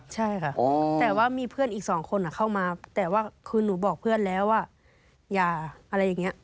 ใช่ค่ะแต่ว่ามีเพื่อนอีกสองคนเข้ามาแต่ว่าคือหนูบอกเพื่อนแล้วว่าอย่าอะไรอย่างนี้